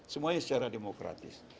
semuanya secara demokratis